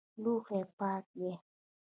لوښي پاک دي؟